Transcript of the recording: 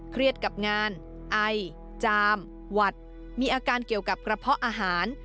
กับงานไอจามหวัดมีอาการเกี่ยวกับกระเพาะอาหาร